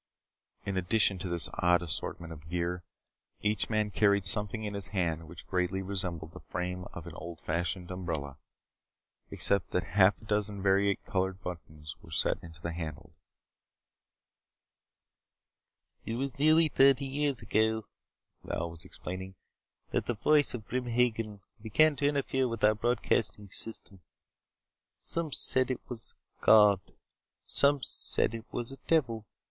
In addition to this odd assortment of gear, each man carried something in his hand which greatly resembled the frame of an old fashioned umbrella except that half a dozen vari colored buttons were set into the handles. "It was nearly thirty years ago," Val was explaining, "that the voice of Grim Hagen began to interfere with our broadcasting system. Some said it was a god. Some said it was a devil.